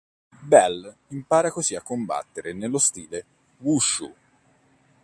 Bell impara così a combattere nello stile wushu.